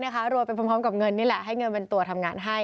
ขอบคุณคุณมิ้งครับผม